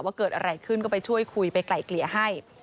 ว่าเกิดอะไรขึ้นก็ไปช่วยคุยไปไกลเกลี่ยให้